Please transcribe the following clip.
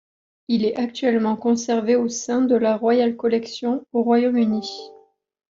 Il est actuellement conservé au sein de la Royal Collection au Royaume-Uni.